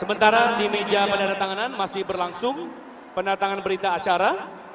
sementara di meja penanda tanganan masih berlangsung penanda tanganan berita acara